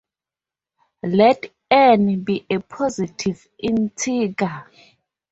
Let "n" be a positive integer.